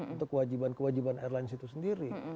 untuk kewajiban kewajiban airlines itu sendiri